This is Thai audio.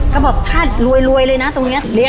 เขาบอกถ้ารวยลวยเลยนะตรงเนี้ย